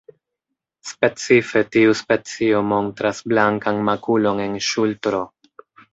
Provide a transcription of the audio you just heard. Specife tiu specio montras blankan makulon en ŝultro.